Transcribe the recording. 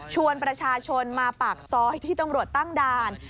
ชวนประชาชนมาปากซอยที่ตำรวจตั้งด่าน